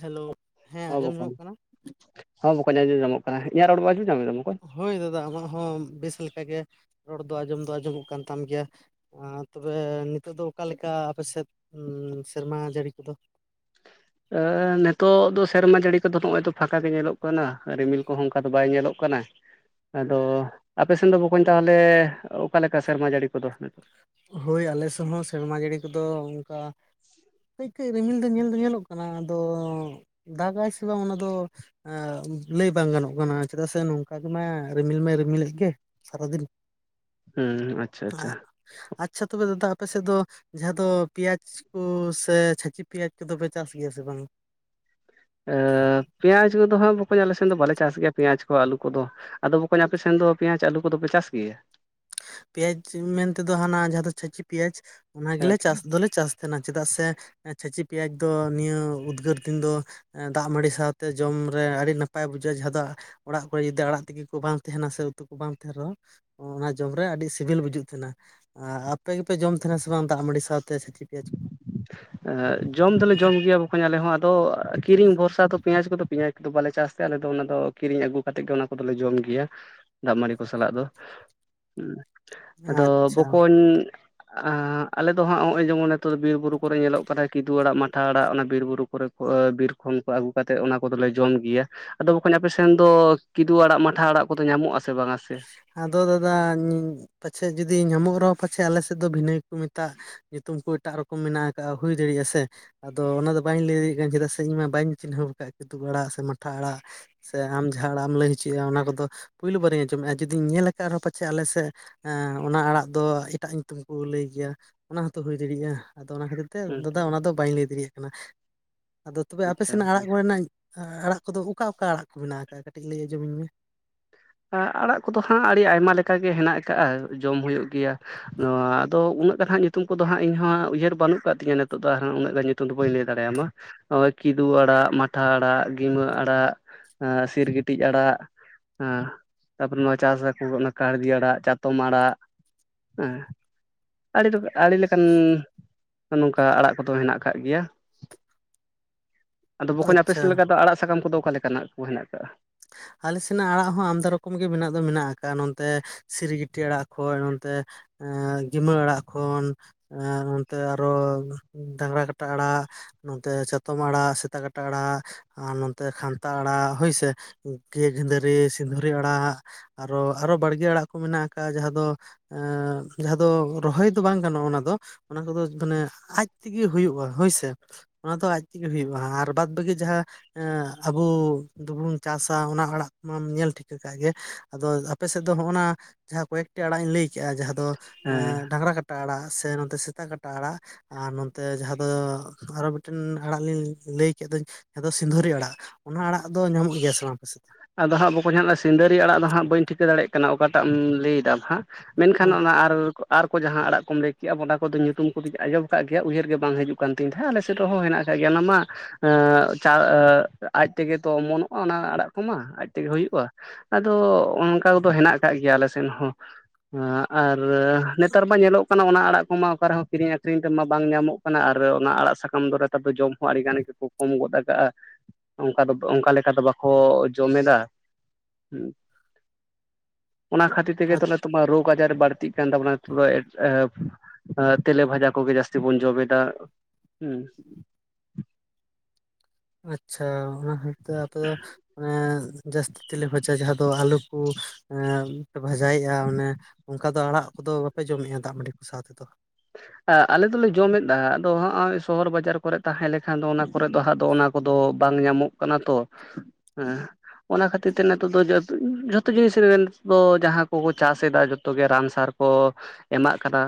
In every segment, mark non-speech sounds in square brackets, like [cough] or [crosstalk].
Hello ᱦᱮᱸ ᱦᱚᱸ ᱟᱸᱡᱚᱢ ᱧᱚᱜ ᱵᱚᱠᱚᱧ ᱠᱟᱱᱟ᱾ ᱦᱚᱸ ᱵᱚᱠᱚᱧ ᱟᱸᱡᱚᱢ ᱧᱟᱢᱚᱜ ᱠᱟᱱᱟ, ᱤᱧᱟᱹᱜ ᱨᱚᱲᱮᱢ ᱟᱡᱚᱢ ᱧᱟᱢᱫᱟ ᱵᱚᱠᱚᱧ? ᱦᱳᱭ ᱫᱟᱫᱟ ᱟᱢᱟᱜ ᱦᱚᱸ ᱵᱮᱥ ᱞᱮᱠᱟᱜᱮ ᱨᱚᱲ ᱫᱚ ᱟᱸᱡᱚᱢ ᱫᱚ ᱟᱸᱡᱚᱢᱚᱜ ᱠᱟᱱ ᱛᱟᱢ ᱜᱮᱭᱟ᱾ ᱟᱨ ᱛᱚᱵᱮ ᱱᱤᱛᱚᱜ ᱫᱚ ᱚᱠᱟᱞᱮᱠᱟᱻ ᱟᱯᱮᱥᱮᱫ ᱥᱮᱨᱢᱟ ᱡᱟᱹᱲᱤ ᱠᱚᱫᱚ? ᱮᱻ ᱱᱤᱛᱚᱜ ᱫᱚ ᱥᱮᱨᱢᱟ ᱡᱟᱹᱲᱤ ᱠᱚᱫᱚ ᱱᱚᱜ-ᱚᱭ ᱛᱚ ᱯᱷᱟᱸᱠᱟ ᱜᱮ ᱧᱮᱞᱚᱜᱼᱼ ᱠᱟᱱᱟ, ᱨᱤᱢᱤᱞ ᱠᱚᱦᱚᱸ ᱚᱱᱠᱟ ᱫᱚ ᱵᱟᱭ ᱧᱮᱞᱚᱜ ᱠᱟᱱᱟ᱾ ᱟᱫᱚᱻ ᱟᱯᱮᱥᱱ ᱫᱚ ᱵᱚᱠᱚᱧ ᱛᱟᱦᱚᱞᱮᱻ ᱚᱠᱟ ᱞᱮᱠᱟ ᱥᱮᱨᱢᱟ ᱡᱟᱹᱲᱤ ᱠᱚᱫᱚ ᱱᱤᱛᱚᱜ? ᱦᱳᱭ ᱟᱞᱮᱥᱮᱱ ᱦᱚᱸ ᱥᱮᱨᱢᱟ ᱡᱟᱹᱲᱤ ᱠᱚᱫᱚ ᱚᱱᱠᱟ ᱠᱟᱹᱡᱠᱟᱹᱡ ᱨᱤᱢᱤᱞ ᱫᱚ ᱧᱮᱞ ᱫᱚ ᱧᱮᱞᱚᱜ ᱠᱟᱱᱟ ᱟᱫᱚᱻ ᱫᱟᱜᱟᱭ ᱥᱮ ᱵᱟᱝ ᱚᱱᱟᱫᱚᱻ ᱮᱸ ᱞᱟᱹᱭ ᱵᱟᱝ ᱜᱟᱱᱚᱜ ᱠᱟᱱᱟ, ᱪᱮᱫᱟᱜ ᱥᱮ ᱱᱚᱝᱠᱟ ᱜᱮᱢᱟ ᱨᱤᱢᱤᱞ ᱢᱟᱭ ᱨᱤᱢᱤᱞᱮᱫ ᱜᱮ ᱥᱟᱨᱟᱫᱤᱱ᱾ ᱦᱩᱸ ᱟᱪᱪᱷᱟ ᱟᱪᱪᱷᱟ᱾ ᱟᱪᱪᱷᱟ ᱛᱚᱵᱮ ᱫᱟᱫᱟ ᱟᱯᱮ ᱥᱮᱫ ᱫᱚ ᱡᱟᱦᱟᱸ ᱫᱚ ᱯᱮᱸᱭᱟᱡᱽ ᱠᱚ ᱥᱮ ᱪᱷᱟᱹᱪᱤ ᱯᱮᱸᱭᱟᱡᱽ ᱠᱚᱫᱚ ᱯᱮ ᱪᱟᱥ ᱜᱮᱭᱟ ᱥᱮ ᱵᱟᱝ? ᱮᱻ ᱯᱮᱸᱭᱟᱡᱽ ᱠᱚᱫᱚ ᱦᱟᱸᱜ ᱵᱟᱠᱚᱧ ᱟᱞᱮ ᱥᱮᱱ ᱫᱚ ᱵᱟᱞᱮ ᱪᱟᱥ ᱜᱮᱭᱟ ᱯᱮᱸᱭᱟᱡᱽ ᱠᱚ ᱟᱹᱞᱩ ᱠᱚᱫᱚ᱾ ᱟᱫᱚ ᱵᱟᱠᱚᱧ ᱟᱯᱮ ᱥᱮᱱ ᱫᱚ ᱯᱮᱸᱭᱟᱡᱽ ᱟᱞᱩ ᱠᱚᱫᱚᱯᱮ ᱪᱟᱥ ᱜᱮᱭᱟ? ᱯᱮᱸᱭᱟᱡᱽ ᱢᱮᱱᱛᱮᱫᱚ ᱦᱟᱱᱟ ᱡᱟᱦᱟᱸ ᱫᱚ ᱪᱷᱟᱹᱪᱤ ᱯᱮᱸᱭᱟᱡᱽ ᱚᱱᱟ ᱜᱮᱞᱮ ᱪᱟᱥ ᱫᱚᱞᱮ ᱪᱟᱥᱼᱼ ᱪᱮᱫᱟᱜ ᱥᱮ ᱪᱷᱟᱪᱤ ᱯᱮᱸᱭᱟᱡᱽ ᱫᱚ ᱱᱤᱭᱟᱹ ᱩᱫᱽᱜᱟᱹᱨ ᱫᱤᱱ ᱫᱚ ᱮᱸ ᱫᱟᱜ ᱢᱟᱹᱲᱤ ᱥᱟᱶᱛᱮ ᱡᱚᱢ ᱨᱮ ᱟᱹᱰᱤ ᱱᱟᱯᱟᱭ ᱵᱩᱡᱷᱟᱹᱜ-ᱟ ᱡᱟᱦᱟᱸ ᱫᱚ ᱚᱲᱟᱜ ᱠᱚᱨᱮ ᱡᱩᱫᱤ ᱟᱲᱟᱜ ᱛᱤᱠᱤ ᱠᱚ ᱵᱟᱝ ᱛᱟᱦᱮᱱᱟ ᱥᱮ, ᱩᱛᱩ ᱠᱚ ᱵᱟᱝ ᱛᱟᱦᱮᱱ ᱨᱮᱦᱚᱸ ᱚᱱᱟᱼᱼ ᱡᱚᱢ ᱨᱮ ᱟᱹᱰᱤ ᱥᱤᱵᱤᱞ ᱵᱩᱡᱩᱜ ᱛᱟᱦᱮᱱᱟ᱾ ᱟᱨ ᱟᱯᱮ ᱜᱮᱯᱮ ᱡᱚᱢ ᱛᱟᱦᱮᱱᱟ ᱥᱮ ᱵᱟᱝ ᱫᱟᱜ ᱢᱟᱹᱰᱤ ᱥᱟᱶᱛᱮ ᱥᱮᱪᱤ ᱯᱮᱸᱭᱟᱡᱽ ᱠᱚ? ᱮᱸᱜ ᱡᱚᱢ ᱫᱚᱞᱮ ᱡᱚᱢ ᱜᱮᱭᱟ ᱵᱚᱠᱚᱧ ᱟᱞᱮ ᱦᱚᱸ ᱟᱫᱚᱻ ᱠᱤᱨᱤᱧ ᱵᱷᱚᱨᱥᱟ ᱫᱚ ᱯᱮᱸᱭᱟᱡᱽ ᱠᱚᱫᱚ ᱯᱮᱸᱭᱟᱡᱽ ᱫᱚ ᱵᱟᱞᱮ ᱪᱟᱥ ᱛᱮ ᱟᱞᱮ ᱫᱚ ᱚᱱᱟ ᱫᱚ ᱠᱤᱨᱤᱧ ᱟᱹᱜᱩ ᱠᱟᱛᱮᱫ ᱜᱮ ᱚᱱᱟ ᱠᱚᱫᱚᱞᱮ ᱡᱚᱢ ᱜᱮᱭᱟ, ᱫᱟᱜᱽ ᱢᱟᱹᱲᱤ ᱠᱚ ᱥᱟᱞᱟᱜ ᱫᱚ᱾ ᱦᱩᱸ ᱾ ᱟᱫᱚᱻ ᱟᱪᱪᱷᱟ ᱵᱚᱠᱚᱧ ᱟᱞᱮ ᱫᱚ ᱦᱟᱸᱜ ᱦᱚᱸᱜ-ᱚᱭ ᱡᱮᱢᱚᱱ ᱱᱤᱛᱳ ᱵᱤᱨ ᱵᱩᱨᱩ ᱠᱚᱨᱮ ᱧᱮᱞᱚᱜ ᱠᱟᱱᱟ ᱠᱤᱫᱩ ᱟᱲᱟᱜ ᱢᱟᱴᱷᱟ ᱟᱲᱟᱜ ᱚᱱᱟ ᱵᱤᱨ ᱵᱩᱨᱩ ᱠᱚᱨᱮ ᱮᱻᱵᱤᱨ ᱠᱷᱚᱱ ᱠᱚ ᱟᱹᱜᱩ ᱠᱟᱛᱮᱫ ᱚᱱᱟ ᱠᱚᱫᱚᱞᱮ ᱡᱚᱢ ᱜᱮᱭᱟ᱾ ᱟᱫᱚ ᱵᱚᱠᱚᱧ ᱟᱯᱮᱥᱮᱱᱻ ᱫᱚ ᱠᱤᱫᱩ ᱟᱲᱟᱜ ᱢᱟᱴᱷᱟ ᱟᱲᱟᱜ ᱠᱚᱫᱚ ᱧᱟᱢᱚᱜ ᱟᱥᱮ ᱵᱟᱝᱼᱟ ᱥᱮ? ᱟᱫᱚ ᱫᱟᱫᱟ ᱯᱟᱪᱷᱮ ᱡᱩᱫᱤ ᱧᱟᱢᱚᱜ ᱨᱮᱦᱚᱸ ᱯᱟᱪᱷᱮ ᱟᱞᱮᱥᱮᱫ ᱫᱚ ᱵᱷᱤᱱᱟᱹ ᱠᱚ ᱢᱮᱛᱟᱜ ᱧᱩᱛᱩᱢ ᱠᱚ ᱮᱴᱟᱜ ᱨᱚᱠᱚᱢ ᱢᱮᱱᱟᱜ ᱠᱟᱜ-ᱟ ᱦᱩᱭ ᱫᱟᱲᱮᱭᱟᱜ-ᱟ ᱥᱮ᱾ ᱟᱫᱚ ᱚᱱᱟᱫᱚ ᱵᱟᱹᱧ ᱞᱟᱹᱭ ᱫᱟᱲᱮᱭᱟᱜ ᱠᱟᱱ ᱪᱮᱫᱟᱜ ᱥᱮ, ᱤᱧ ᱢᱟ ᱵᱟᱧ ᱪᱤᱱᱦᱟᱹᱣ ᱟᱠᱟᱫ ᱠᱤᱫᱩ ᱟᱲᱟᱜ ᱥᱮ ᱢᱟᱴᱷᱟ ᱟᱲᱟᱜ᱾ ᱥᱮ ᱟᱢ ᱡᱟᱦᱟᱸ ᱟᱲᱟᱜ ᱮᱢ ᱞᱟᱹᱭ ᱦᱚᱪᱚᱭᱮᱫᱼᱟ ᱚᱱᱟ ᱠᱚᱫᱚ ᱯᱩᱭᱞᱳ ᱵᱟᱨᱤᱧ ᱟᱸᱡᱚᱢᱮᱜ-ᱟ ᱡᱩᱫᱤᱧ ᱧᱮᱞ ᱟᱠᱟᱫ ᱨᱮᱦᱚᱸ ᱯᱟᱪᱷᱮ ᱟᱞᱮ ᱥᱮᱫ, ᱚᱱᱟ ᱟᱲᱟᱜ ᱫᱚ ᱮᱴᱟᱜ ᱧᱩᱛᱩᱢ ᱠᱚ ᱞᱟᱹᱭ ᱜᱮᱭᱟ ᱚᱱᱟ ᱦᱚᱸᱛᱚ ᱦᱩᱭ ᱫᱟᱲᱮᱭᱟᱜ-ᱟ᱾ ᱟᱫᱚ ᱚᱱᱟ ᱠᱷᱟᱹᱛᱤᱨ ᱛᱮ ᱫᱟᱫᱟ ᱚᱱᱟ ᱫᱚ ᱵᱟᱹᱧ ᱞᱟᱹᱭ ᱫᱟᱲᱮᱭᱟᱜ ᱠᱟᱱᱟ᱾ ᱟᱫᱚ ᱛᱚᱵᱮ ᱟᱯᱮ ᱟᱪᱪᱷᱟ ᱥᱮᱱᱟᱜ ᱟᱲᱟᱜ ᱵᱚᱠᱚᱧ, ᱠᱚᱨᱮᱱᱟᱜ ᱟᱲᱟᱜ ᱠᱚᱫᱚ ᱚᱠᱟ ᱚᱠᱟ ᱟᱲᱟᱜ ᱠᱚ ᱢᱮᱱᱟᱜ ᱠᱟᱜᱼᱟ ᱠᱟᱹᱴᱤᱡ ᱞᱟᱹᱭ ᱟᱸᱚᱢ ᱟᱹᱧ ᱢᱮ᱾ ᱟᱲᱟᱜ ᱠᱚᱫᱚ ᱦᱟᱸᱜ ᱟᱹᱰᱤ ᱟᱭᱢᱟ ᱞᱮᱠᱟ ᱜᱮ ᱦᱮᱱᱟᱜ ᱠᱟᱜ-ᱟ ᱡᱚᱢ ᱦᱩᱭᱩᱜ ᱜᱮᱭᱟ᱾ ᱱᱚᱣᱟ ᱟᱫᱚ ᱩᱱᱟᱹᱜ ᱜᱟᱱ ᱦᱟᱸᱜ ᱧᱩᱛᱩᱢ ᱠᱚᱫᱚ ᱦᱟᱸᱜ ᱤᱧᱦᱚᱸ ᱩᱭᱦᱟᱹᱨ ᱵᱟᱹᱱᱩᱜ ᱠᱟᱜ ᱛᱤᱧᱟᱹ ᱱᱤᱛᱚᱜ ᱫᱚ ᱟᱨ ᱩᱱᱟᱹᱜ ᱜᱟᱱ᱾ ᱧᱩᱛᱩᱢ ᱫᱚ ᱵᱟᱹᱧ ᱞᱟᱹᱭ ᱫᱟᱲᱮᱭᱟᱢᱟ ᱱᱚᱜᱚᱭ ᱠᱤᱫᱩ ᱟᱲᱟᱜ ᱢᱟᱴᱷᱟ ᱟᱲᱟᱜ ᱜᱤᱢᱟᱹ ᱟᱲᱟᱜ᱾ ᱟ ᱥᱤᱨᱜᱤᱴᱤᱡ ᱟᱲᱟᱜ᱾ ᱦᱮᱸ ᱛᱟᱯᱚᱨᱮ ᱱᱚᱣᱟ ᱪᱟᱥ ᱟᱠᱚ ᱠᱟᱲᱜᱤ ᱟᱲᱟᱜ ᱪᱟᱛᱚᱢ ᱟᱲᱟᱜ ᱦᱮᱸ᱾ ᱟᱹᱰᱤ ᱟᱹᱰᱤ ᱞᱮᱠᱟᱱ ᱱᱚᱝᱠᱟ ᱟᱲᱟᱜ ᱠᱚᱫᱚ ᱦᱮᱱᱟᱜ ᱠᱟᱜ ᱜᱮᱭᱟ᱾ ᱟᱫᱚ ᱵᱚᱠᱚᱧ ᱟᱯᱮ ᱥᱮ ᱟᱪᱪᱷᱟ ᱞᱮᱠᱟ ᱫᱚ ᱟᱲᱟᱜ ᱥᱟᱠᱟᱢ ᱠᱚ ᱫᱚ ᱚᱠᱟ ᱞᱮᱠᱟᱱᱟᱜ ᱠᱚ ᱦᱮᱸᱱᱟᱜ ᱠᱟᱜ-ᱟ᱾ ᱟᱞᱮ ᱥᱮᱱᱟᱜ ᱟᱲᱟᱜ ᱦᱚᱸ ᱟᱢᱫᱟ ᱨᱚᱠᱚᱢ ᱜᱮ ᱢᱮᱱᱟᱜ ᱫᱚ ᱢᱮᱱᱟᱜ ᱠᱟᱜ-ᱟ ᱱᱚᱱᱛᱮ᱾ ᱥᱤᱨᱜᱤᱴᱤ ᱟᱲᱟᱜ ᱠᱚ, ᱱᱚᱛᱮ ᱮ ᱜᱤᱢᱟᱹ ᱟᱲᱟᱜ ᱠᱷᱚᱱ᱾ ᱮ ᱱᱚᱛᱮ ᱟᱨᱚ ᱰᱟᱝᱨᱟ ᱠᱟᱴᱟ ᱟᱲᱟᱜ᱾ ᱱᱚᱛᱮ ᱪᱟᱛᱚᱢ ᱟᱲᱟᱜ, ᱥᱮᱛᱟ ᱠᱟᱴᱟ ᱟᱲᱟᱜ, ᱟᱨ ᱱᱚᱛᱮ ᱠᱷᱟᱱᱛᱟ ᱟᱲᱟᱜ, ᱦᱳᱭ ᱥᱮ᱾ ᱜᱮ-ᱜᱤᱫᱷᱟᱹᱨᱤ, ᱥᱤᱫᱩᱨᱤ ᱟᱲᱟᱜ, ᱟᱨᱚ ᱟᱨᱚ ᱵᱟᱲᱜᱮ ᱟᱲᱟᱜ ᱠᱚ ᱢᱮᱱᱟᱜ ᱟᱠᱟᱫ ᱡᱟᱦᱟᱸ ᱫᱚ᱾ ᱮ ᱡᱟᱦᱟᱸ ᱫᱚ ᱨᱚᱦᱚᱭ ᱫᱚ ᱵᱟᱝ ᱜᱟᱱᱚᱜ-ᱟ ᱚᱱᱟ ᱫᱚ᱾ ᱚᱱᱟ ᱠᱚᱫᱚ ᱢᱟᱱᱮ ᱟᱡ ᱛᱮᱜᱮ ᱦᱩᱭᱩᱜ-ᱟ ᱦᱳᱭ ᱥᱮ᱾ ᱚᱱᱟ ᱫᱚ ᱟᱡ ᱛᱮᱜᱮ ᱦᱩᱭᱩᱜ-ᱟ ᱟᱨ ᱵᱟᱫᱽ ᱵᱟᱹᱠᱤ ᱡᱟᱦᱟᱸ ᱟᱵᱚ ᱫᱚᱵᱩᱱ ᱪᱟᱥᱟ ᱚᱱᱟ ᱟᱲᱟᱜ ᱢᱟᱢ ᱧᱮᱞ ᱴᱷᱤᱠᱟᱹ ᱠᱟᱜ ᱜᱮ ᱟᱫᱚ ᱟᱯᱮᱥᱮᱫ ᱫᱚ ᱦᱚᱜ-ᱱᱟ᱾ ᱡᱟᱦᱟᱸ ᱠᱚᱭᱮᱠᱴᱤ ᱟᱲᱟᱜ ᱤᱧ ᱞᱟᱹᱭ ᱠᱮᱜ-ᱟ ᱡᱟᱦᱟᱸ ᱫᱚ ᱦᱮᱸ ᱰᱟᱝᱨᱟ ᱠᱟᱴᱟ, ᱟᱲᱟᱜ ᱥᱮ ᱱᱚᱛᱮ ᱥᱮᱛᱟ ᱠᱟᱴᱟ ᱟᱲᱟᱜ᱾ ᱟᱨ ᱱᱚᱛᱮ ᱡᱟᱦᱟᱸ ᱫᱚ ᱟᱨᱚ ᱢᱤᱫᱴᱮᱱ ᱟᱲᱟᱜ ᱞᱤᱧ ᱞᱟᱹᱭ ᱠᱮᱫ ᱫᱚᱧ ᱡᱟᱦᱟᱸ ᱫᱚ ᱥᱤᱸᱫᱷᱟᱹᱨᱤ ᱟᱲᱟᱜ᱾ ᱚᱱᱟ ᱟᱲᱟᱜ ᱫᱚ ᱧᱟᱢᱚᱜ ᱜᱮᱭᱟ ᱥᱮ ᱵᱟᱝ ᱟᱯᱮ ᱥᱮᱫ ᱫᱚ᱾ ᱟᱫᱚ ᱦᱟᱸᱜ ᱵᱚᱠᱚᱧ ᱡᱟᱦᱱᱟᱜ ᱥᱤᱸᱫᱟᱹᱨᱤ ᱟᱲᱟᱜ ᱫᱚ ᱦᱟᱸᱜ ᱵᱟᱹᱧ ᱴᱷᱤᱠᱟᱹ ᱫᱟᱲᱮᱭᱟᱜ ᱠᱟᱱᱟ ᱚᱠᱟᱴᱟᱜ ᱮᱢ ᱞᱟᱹᱭ ᱮᱫᱟ ᱦᱟᱸᱜ᱾ ᱢᱮᱱᱠᱷᱟᱱ ᱚᱱᱟ ᱟᱨ᱾ ᱟᱨ ᱠᱚ ᱡᱟᱦᱟᱸ ᱟᱲᱟᱜ ᱠᱚᱢ ᱞᱟᱹᱭ ᱠᱮᱫᱮᱜ-ᱟ ᱚᱱᱟ ᱠᱚᱫᱚ ᱧᱩᱛᱩᱢ ᱠᱚᱫᱚᱧ ᱟᱸᱡᱚᱢ ᱠᱟᱜ ᱜᱮᱭᱟ ᱩᱭᱦᱟᱹᱨ ᱜᱮ ᱵᱟᱝ ᱦᱤᱡᱩ ᱠᱟᱱᱟ᱾ ᱟᱹᱛᱤᱧ ᱛᱟᱦᱮᱸ ᱟᱞᱮᱥᱮᱫ ᱨᱮᱦᱚᱸ ᱢᱮᱱᱟᱜ ᱟᱠᱟᱫ ᱜᱮᱭᱟ ᱚᱱᱟ ᱢᱟ᱾ ᱮᱸᱻ ᱪᱟ ᱟᱡ ᱛᱮᱜᱮ ᱛᱚ ᱚᱢᱚᱱᱚᱜ-ᱟ ᱚᱱᱟ ᱟᱲᱟᱜ᱾ ᱠᱚᱢᱟ ᱟᱡ ᱛᱮᱜᱮ ᱦᱩᱭᱩᱜ-ᱟ ᱟᱫᱚ ᱚᱱᱠᱟ ᱠᱚᱫᱚ ᱦᱮᱸᱱᱟᱜ ᱠᱟᱜ ᱜᱮᱭᱟ ᱟᱞᱮ ᱥᱮᱱ ᱦᱚᱸ᱾ ᱮᱸ ᱟᱨ ᱱᱮᱛᱟᱨ ᱢᱟ ᱧᱮᱞᱚᱜ ᱠᱟᱱᱟ ᱚᱱᱟ ᱟᱲᱟᱜ ᱠᱚᱢᱟ ᱚᱠᱟ ᱨᱮᱦᱚᱸ ᱠᱤᱨᱤᱧ ᱟᱹᱠᱷᱨᱤᱧ ᱛᱮᱢᱟ ᱵᱟᱝ ᱧᱟᱢᱚᱜ ᱠᱟᱱᱟ ᱟᱨ ᱚᱱᱟ ᱟᱲᱟᱜ ᱥᱟᱠᱟᱢ ᱫᱚ ᱱᱮᱛᱟᱨ ᱡᱚᱢ ᱦᱚᱸ ᱟᱹᱰᱤ ᱜᱟᱱ ᱜᱮᱠᱚ ᱠᱚᱢ ᱜᱚᱫ ᱠᱟᱜ-ᱟ᱾ ᱚᱱᱠᱟ ᱫᱚ ᱚᱱᱠᱟ ᱞᱮᱠᱟ ᱫᱚ ᱵᱟᱠᱚ᱾ ᱡᱚᱢ ᱮᱫᱟ, ᱚᱱᱟ ᱠᱷᱟᱹᱛᱤᱨ ᱛᱮᱜᱮ ᱛᱚᱢᱟ ᱨᱳᱜᱽ ᱟᱡᱟᱨ ᱵᱟᱹᱲᱛᱤᱜ ᱠᱟᱱ ᱛᱟᱵᱚᱱᱟ ᱛᱷᱩᱨᱟ [unintelligible] ᱛᱮᱞᱮ ᱵᱷᱟᱡᱟ ᱠᱚᱜᱮ ᱡᱟᱹᱥᱛᱤ ᱵᱚᱱ ᱡᱚᱢᱮᱫᱟ᱾ ᱦᱩᱸ᱾ ᱟᱪᱪᱷᱟ ᱚᱱᱟ ᱠᱷᱟᱹᱛᱤᱨ ᱛᱮ ᱟᱯᱮ ᱫᱚ ᱸᱮ ᱡᱟᱹᱥᱛᱤ ᱛᱮᱞᱮ ᱵᱷᱟᱡᱟ ᱡᱟᱦᱟᱸ ᱫᱚ ᱟᱞᱩ ᱠᱚ᱾ ᱮᱸ ᱵᱷᱟᱡᱟᱭᱮᱜ-ᱟ ᱚᱱᱮ ᱚᱱᱠᱟ ᱫᱚ ᱟᱲᱟᱜ ᱠᱚᱫᱚ ᱵᱟᱯᱮ ᱡᱚᱢᱮᱫ-ᱟ ᱫᱟᱜᱽ ᱢᱟᱹᱰᱤ ᱠᱚ ᱥᱟᱶ ᱛᱮᱫᱚ᱾ ᱟᱞᱮ ᱫᱚᱞᱮ ᱡᱚᱢᱮᱫᱟ ᱟᱫᱚ ᱦᱚᱸᱜ-ᱚᱭ ᱥᱚᱦᱚᱨ ᱵᱟᱡᱟᱨ ᱠᱚᱨᱮ ᱛᱟᱦᱮᱸ ᱞᱮᱠᱷᱟᱱ ᱫᱚ ᱚᱱᱟ ᱠᱚᱨᱮ ᱫᱚ ᱦᱟᱸᱜ ᱫᱚ ᱚᱱᱟ᱾ ᱠᱚᱫᱚ ᱵᱟᱝ ᱧᱟᱢᱚᱜ ᱠᱟᱱᱟ ᱛᱚ ᱦᱮᱸ᱾ ᱚᱱᱟ ᱠᱷᱟᱹᱛᱤᱨ ᱛᱮ ᱱᱤᱛᱚᱜ ᱫᱚ ᱡᱚᱛ ᱡᱚᱛᱚ ᱡᱤᱱᱤᱥ ᱨᱮᱱ ᱫᱚ ᱡᱟᱦᱟᱸ ᱠᱚ ᱠᱚ ᱪᱟᱥ ᱮᱫᱟ ᱡᱚᱛᱚ ᱜᱮ ᱨᱟᱱ ᱥᱟᱨ᱾ ᱠᱚ ᱮᱢᱟᱜ ᱠᱟᱫᱟ᱾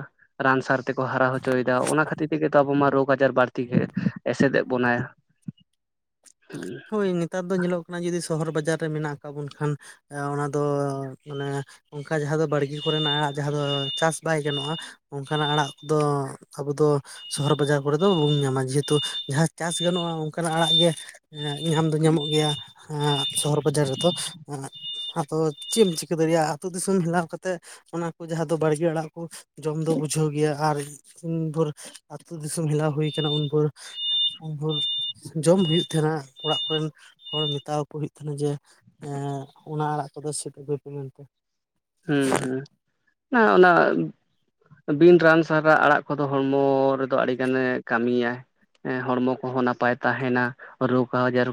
ᱨᱟᱱ ᱥᱟᱨ ᱛᱮᱠᱚ ᱦᱟᱨᱟ ᱦᱚᱪᱚᱭ ᱮᱫᱟ, ᱚᱱᱟ ᱠᱷᱟᱹᱛᱤᱨ ᱛᱮᱜᱮ ᱛᱚ ᱟᱵᱚ ᱢᱟ ᱨᱳᱜᱽ ᱟᱡᱟᱨ ᱵᱟᱹᱲᱛᱤ ᱜᱮ ᱮᱥᱮᱫᱮ ᱵᱚᱱᱟᱭ᱾ [inaudible] ᱦᱳᱭ ᱱᱤᱛᱟᱨ ᱫᱚ ᱧᱮᱞᱚᱜ ᱠᱟᱱᱟ ᱡᱩᱫᱤ ᱥᱚᱦᱚᱨ ᱵᱟᱡᱟᱨ ᱨᱮ ᱢᱮᱱᱟᱜ ᱟᱠᱟᱫ ᱵᱚᱱ ᱠᱷᱟᱱ᱾ ᱮ ᱚᱱᱟ ᱫᱚ ᱢᱟᱱᱮ ᱚᱱᱠᱟ ᱡᱟᱦᱟᱸ ᱫᱚ ᱵᱟᱹᱲᱜᱤ ᱠᱚᱨᱮ ᱟᱲᱟᱜ ᱡᱟᱦᱟᱸ ᱫᱚ ᱪᱟᱥ ᱵᱟᱭ ᱜᱟᱱᱚᱜ-ᱟ᱾ ᱚᱱᱠᱟ ᱱᱟᱜ ᱟᱲᱟᱜ ᱠᱚ ᱫᱚ ᱟᱵᱩ ᱫᱚ᱾ ᱥᱚᱦᱚᱨ ᱵᱟᱡᱟᱨ ᱠᱚᱨᱮ ᱫᱚ ᱚᱦᱩᱢ ᱧᱟᱢᱟ ᱡᱮ ᱦᱮᱸᱛᱩ ᱡᱟᱦᱟᱸ ᱪᱟᱥ ᱜᱟᱱᱚᱜ-ᱟ ᱚᱱᱠᱟᱱᱟᱜ ᱟᱲᱟᱜ ᱜᱮ᱾ ᱮᱜ ᱧᱟᱢ ᱫᱚ ᱧᱟᱢᱚᱜ ᱜᱮᱭᱟ ᱮᱜ ᱥᱚᱦᱚᱨ ᱵᱟᱡᱟᱨ ᱨᱮᱫᱚ ᱮᱜ ᱟᱫᱚ ᱪᱤᱫᱮᱢ ᱪᱤᱠᱟᱹ ᱫᱟᱲᱤᱭᱟᱜᱼᱟ ᱟᱛᱩ ᱫᱤᱥᱚᱢ ᱦᱮᱞᱟᱣ ᱠᱟᱛᱮᱫ ᱚᱱᱟ ᱠᱩ ᱡᱟᱦᱟᱸ ᱫᱚ ᱵᱟᱲᱜᱮ ᱟᱲᱟᱜ ᱠᱩ ᱡᱚᱢ ᱫᱚ ᱵᱩᱡᱷᱟᱹᱣ ᱜᱮᱭᱟ ᱟᱨ ᱩᱱ ᱵᱷᱳᱨ ᱟᱛᱩ ᱫᱤᱥᱚᱢ ᱦᱮᱞᱟᱣ ᱦᱩᱭ ᱠᱟᱱᱟ ᱩᱱ ᱵᱷᱳᱨ ᱩᱱ ᱵᱷᱳᱨ ᱡᱚᱢ ᱦᱩᱭᱩᱜ ᱛᱟᱦᱮᱱᱟ ᱚᱲᱟᱜ ᱠᱚᱨᱮᱱ ᱦᱚᱲ ᱢᱮᱛᱟ ᱣᱟᱠᱩ ᱦᱩᱭᱩᱜ ᱛᱟᱦᱮᱱᱟ ᱡᱮ ᱦᱮ ᱦᱮ ᱚᱱᱟ ᱟᱲᱟᱜ ᱠᱚᱫᱚ ᱥᱤᱫᱽ ᱟᱹᱜᱩᱭ ᱯᱮ ᱢᱮᱱᱛᱮ ᱦᱩᱸ ᱦᱩᱸ ᱱᱟ ᱚᱱᱟ ᱵᱤᱱ ᱨᱟᱱ ᱥᱟᱨᱟ ᱟᱲᱟᱜ ᱠᱚᱫᱚ ᱦᱚᱲᱢᱚ ᱨᱮᱫᱚ ᱟᱹᱰᱤ ᱜᱟᱱᱮ ᱠᱟᱢᱤᱭᱟ ᱮᱸᱦᱚᱲᱢᱚ ᱠᱚᱦᱚᱸ ᱱᱟᱯᱟᱭ ᱛᱟᱦᱮᱱᱟ ᱨᱳᱜᱽ ᱟᱣᱡᱟᱨ